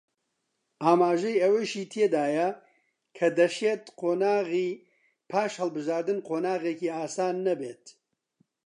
ئاماژەی ئەوەیشی تێدایە کە دەشێت قۆناغی پاش هەڵبژاردن قۆناغێکی ئاسان نەبێت